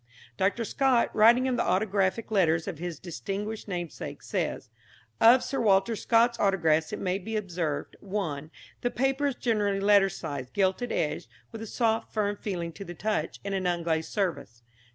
Dr. Scott, writing of the autographic letters of his distinguished namesake, says: "Of Sir Walter Scott's autographs it may be observed (1) the paper is generally letter size, gilt edged, with a soft, firm feeling to the touch, and an unglazed surface.